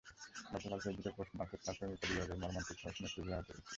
গতকাল ফেসবুকের পোস্ট মারফত তোর প্রেমিকাবিয়োগের মর্মান্তিক খবর শুনে খুবই আহত হয়েছি।